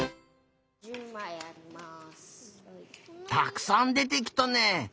たくさんでてきたね。